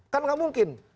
kan tidak mungkin